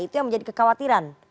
itu yang menjadi kekhawatiran